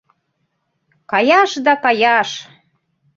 Каяш да каяш!..